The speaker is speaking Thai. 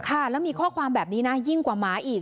ค่ะแล้วมีข้อความแบบนี้นะยิ่งกว่าหมาอีก